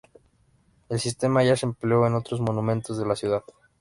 El sistema ya se empleó en otros monumentos de la ciudad.